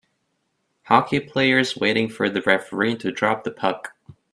Hockey players waiting for the referee to drop the puck